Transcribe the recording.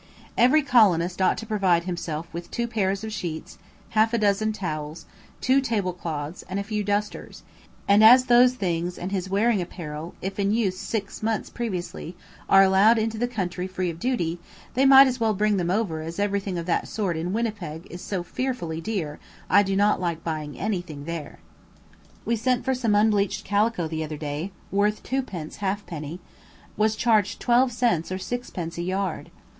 Every colonist ought to provide himself with two pairs of sheets, half a dozen towels, two table cloths, and a few dusters; and as those things and his wearing apparel, if in use six months previously, are allowed into the country free of duty, they might as well bring them over as everything of that sort in Winnipeg is so fearfully dear I do not like buying anything there. We sent for some unbleached calico the other day, worth twopence halfpenny; was charged twelve cents or sixpence a yard.